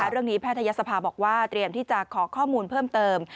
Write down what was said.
แพทยศภาบอกว่าเตรียมที่จะขอข้อมูลเพิ่มเติม